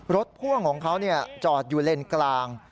พ่วงของเขาจอดอยู่เลนกลาง